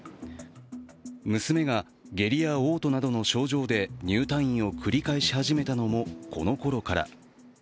娘が下痢やおう吐などの症状で入退院を繰り返し始めたのもこのころから。